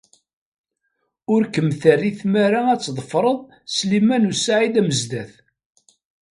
Ur kem-terri tmara ad tḍefred Sliman u Saɛid Amezdat.